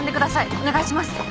お願いします。